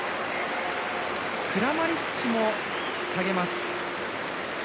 クラマリッチも下げます。